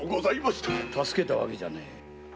助けたわけじゃねえ。